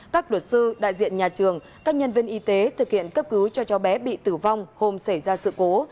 các luật sư đại diện nhà trường các nhân viên y tế thực hiện cấp cứu cho chó bé bị tử vong hôm xảy ra sự cố